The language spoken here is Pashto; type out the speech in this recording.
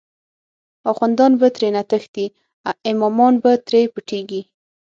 آخوندان به ترینه تښتی، امامان به تری پټیږی